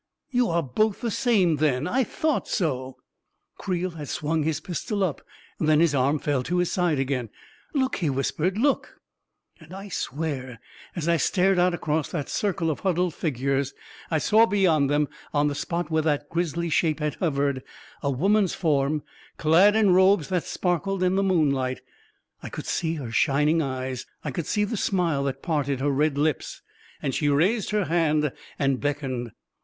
You are both the same, then ! I thought so 1 " Creel had swung his pistol up — then his arm fell to his side again. " Look !" he whispered. " Look !" And I swear, as I stared out across that circle of huddled figures, I saw beyond them, on the spot where that grisly shape had hovered, a woman's form, clad in robes that sparkled in the moonlight; I could see her shining eyes ; I could see the smile that parted her red lips; and she raised her hand and beckoned